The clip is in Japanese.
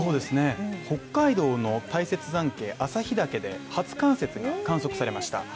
北海道の大雪山系旭岳で初冠雪が観測されました。